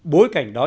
bối cảnh đó